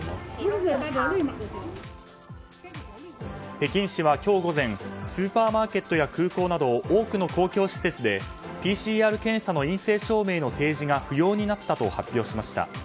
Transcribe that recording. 北京市は今日午前スーパーマーケットや空港など多くの公共施設でＰＣＲ検査の陰性証明の提示が不要になったと発表しました。